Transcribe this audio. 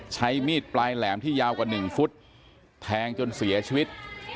ใช้มีดปลายแหลมที่ยาวกว่า๑ฟุตแทงจนเสียชีวิต